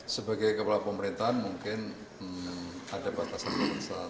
sebagai kepala pemerintahan mungkin ada batasan batasan